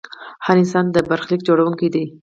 هر انسان د برخلیک جوړونکی دی.